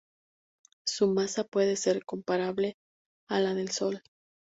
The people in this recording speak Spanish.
Su masa puede ser comparable a la del Sol.